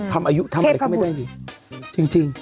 ทำอายุทำอะไรไม่ได้จริง